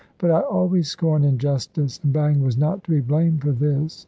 But I always scorn injustice; and Bang was not to be blamed for this.